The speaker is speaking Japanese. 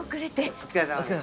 お疲れさまです。